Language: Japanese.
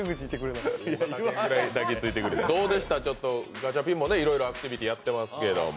ガチャピンもいろいろアクティビティーやってますけど。